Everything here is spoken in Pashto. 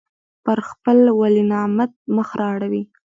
پر خپل ولینعمت مخ را اړوي.